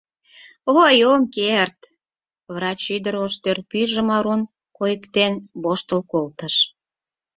— Ой, ом керт! — врач ӱдыр ош тӧр пӱйжым арун койыктен воштыл колтыш.